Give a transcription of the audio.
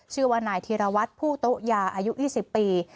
ชื่อว่านายธีรวัตรผู้โต๊ะยาอายุ๒๐ปี